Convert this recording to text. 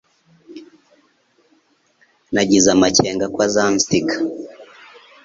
Nagize amakenga ko azansiga.